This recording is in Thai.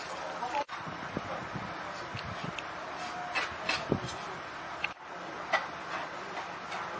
มันเป็นปุ๊บเท็กมันมันเย็นหรือมันจะอะไรอ๋อมันเต็ดร้อนร้อย